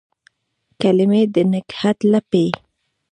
کلمې د نګهت لپې